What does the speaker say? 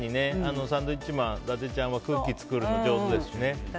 サンドウィッチマンの伊達ちゃんは空気作るの上手ですしね。